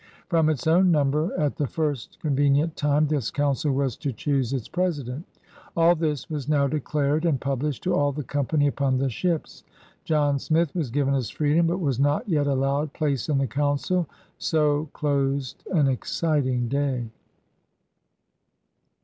From its own nimiber, at the first convenient time, this Council was to choose its President. AU this was now dedared and published to all the company upon the ships. John Smith was given his freedom but was not yet allowed place in the Council. So dosed an exciting day.